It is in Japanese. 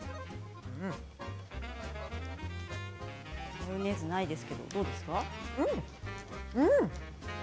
マヨネーズないですけどどうですか？